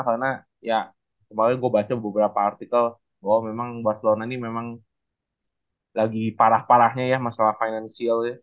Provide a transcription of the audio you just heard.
karena ya kemarin gue baca beberapa artikel bahwa memang barcelona ini memang lagi parah parahnya ya masalah financial